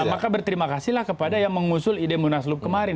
nah maka berterima kasih lah kepada yang mengusul ide munaslup kemarin